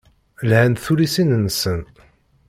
Lhant tullisin-nsen.